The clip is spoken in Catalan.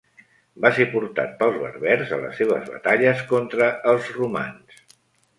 Va ser portat pels berbers a les seves batalles contra els romans.